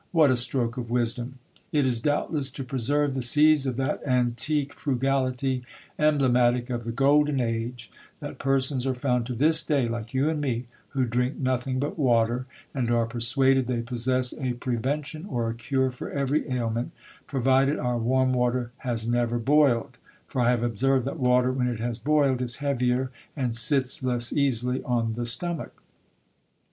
What a stroke of wisdom ! It is doubtless to preserve the seeds of thit antique frugality, emblematic of the golden age, that persons are found to this day, like you and me, who drink nothing but water, and are persuaded they possess a prevention or a cure for every ailment, provided our warm water has never boiled ; for I have observed that water, when it has boiled, is heavier, and sits less easily on the stomach.